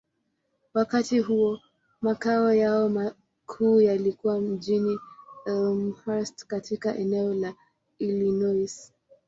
Wakati huo, makao yao makuu yalikuwa mjini Elmhurst, katika eneo la Illinois.